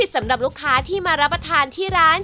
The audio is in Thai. สำหรับลูกค้าที่มารับประทานที่ร้าน